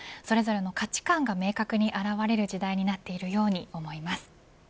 それぞれの価値感が明確に現れる時代になっているように思います。